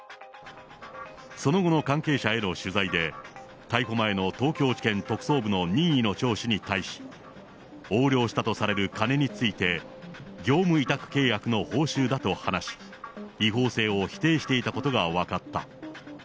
その後の関係者への取材で、逮捕前の東京地検特捜部の任意の聴取に対し、横領したとされる金について、業務委託契約の報酬だと話し、違法性を否定していたことが分かった。